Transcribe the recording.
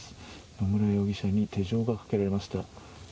野村容疑者に手錠がかけられました。